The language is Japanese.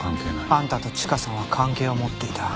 あんたとチカさんは関係を持っていた。